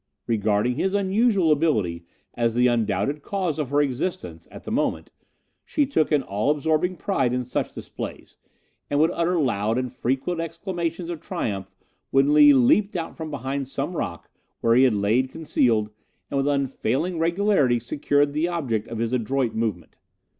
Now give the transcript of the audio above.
Regarding his unusual ability as the undoubted cause of her existence at that moment, she took an all absorbing pride in such displays, and would utter loud and frequent exclamations of triumph when Lee leaped out from behind some rock, where he had lain concealed, and with unfailing regularity secured the object of his adroit movement.